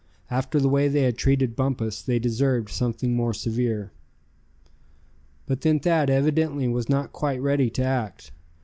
After the way they had treated Bumpus, they deserved something more severe. But then Thad evidently was not quite ready to act.